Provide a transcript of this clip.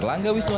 kita depuis kaga